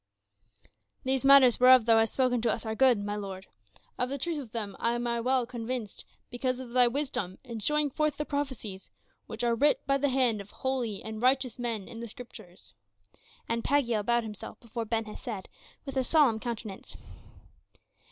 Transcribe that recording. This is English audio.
"These matters whereof thou hast spoken to us are good, my lord; of the truth of them am I well convinced, because of thy wisdom in showing forth the prophecies which are writ by the hand of holy and righteous men in the Scriptures," and Pagiel bowed himself before Ben Hesed with a solemn countenance.